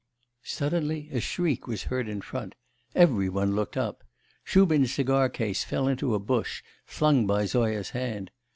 Suddenly a shriek was heard in front; every one looked up. Shubin's cigar case fell into a bush, flung by Zoya's hand.